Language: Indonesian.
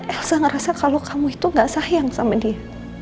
elsa ngerasa kalau kamu itu gak sayang sama dia